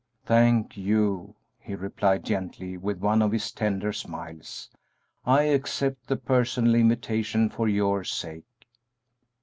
"Thank you," he replied, gently, with one of his tender smiles; "I accept the personal invitation for your sake."